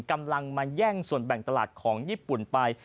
กำลังมาแย่งส่วนแบ่งตลาดของญี่ปุ่นไป